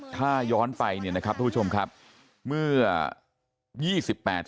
ถ้าย้อนไปนะครับต้องชมครับเมื่อ๒๘สิงหาควรจัดเพชรไว้